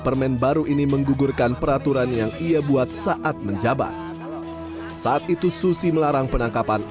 permen baru ini menggugurkan peraturan yang ia buat saat menjabat saat itu susi melarang penangkapan